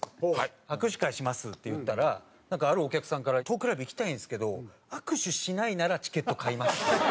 握手会しますっていったらなんかあるお客さんから「トークライブ行きたいんですけど握手しないならチケット買います」。